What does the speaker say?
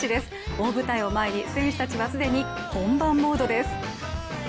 大舞台を前に、選手たちは既に本番モードです。